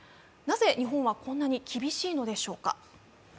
なぜ日本はこんなに厳しいのでしょうか。